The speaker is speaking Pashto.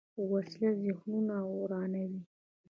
وسله ذهنونه ورانوي